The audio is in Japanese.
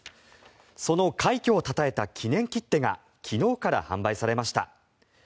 その快挙をたたえた記念切手が昨日から販売されました。